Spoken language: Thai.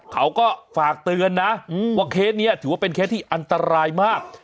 เขาก็ฝากเตือนนะว่าเคสนี้ถือว่าเป็นเคสที่อันตรายมาก